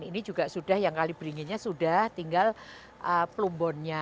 ini juga sudah yang kalibringinnya sudah tinggal plumbonnya